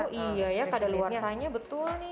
oh iya ya kadar luarsanya betul nih